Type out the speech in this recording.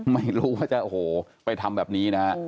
ไม่รู้ว่าจะโอ้โหไปทำแบบนี้นะฮะ